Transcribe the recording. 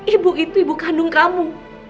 ibu itu ibu kandung kamu